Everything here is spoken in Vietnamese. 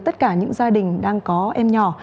tất cả những gia đình đang có em nhỏ